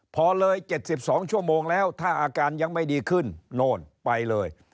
พอเลย๗๒ชั่วโมงแล้วถ้าอาการยังไม่ดีขึ้นโน่นไปเลย